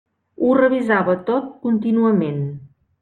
Ho revisava tot contínuament.